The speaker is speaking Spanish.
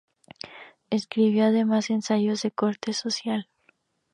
Escribió además ensayos de corte social.